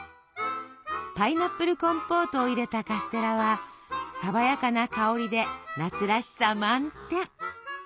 パイナップルコンポートを入れたカステラは爽やかな香りで夏らしさ満点。